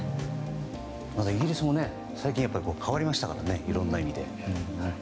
またイギリスも最近変わりましたからねいろんな意味で。